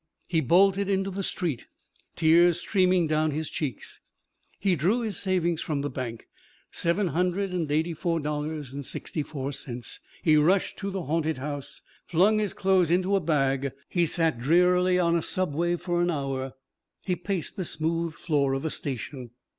He bolted into the street, tears streaming down his cheeks; he drew his savings from the bank seven hundred and eighty four dollars and sixty four cents; he rushed to the haunted house, flung his clothes into a bag; he sat drearily on a subway for an hour. He paced the smooth floor of a station.